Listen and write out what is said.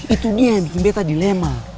itu dia yang bikin betah dilema